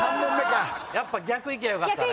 やっぱ逆いきゃよかったね。